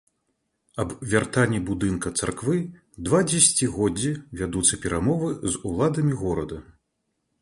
Аб вяртанні будынка царквы два дзесяцігоддзі вядуцца перамовы з уладамі горада.